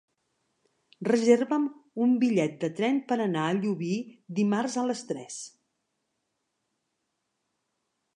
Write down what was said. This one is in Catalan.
Reserva'm un bitllet de tren per anar a Llubí dimarts a les tres.